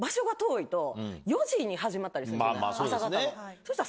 そしたら。